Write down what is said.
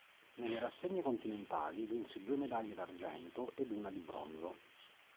Nelle rassegne continentali vinse due medaglie d'argento ed una di bronzo.